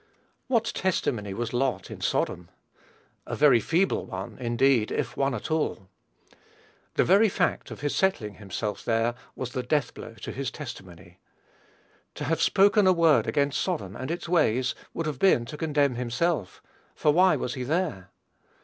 What testimony was Lot in Sodom? A very feeble one, indeed, if one at all. The very fact of his settling himself there was the death blow to his testimony. To have spoken a word against Sodom and its ways would have been to condemn himself, for why was he there?